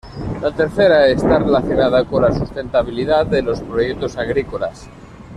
La tercera, está relacionada con la sustentabilidad de los proyectos agrícolas.